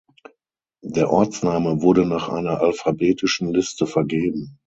Der Ortsname wurde nach einer alphabetischen Liste vergeben.